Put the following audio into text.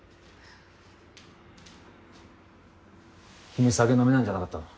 君酒飲めないんじゃなかったの？